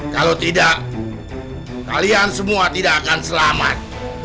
kalau tidak kalian semua tidak akan selamat